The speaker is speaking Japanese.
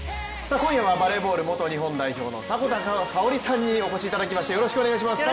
今夜はバレーボール元日本代表の迫田さおりさんにお越しいただきました。